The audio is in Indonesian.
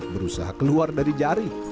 berusaha keluar dari jaring